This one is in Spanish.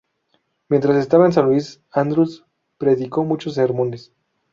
Mientras estaba en San Luis, Andrus predicó muchos sermones.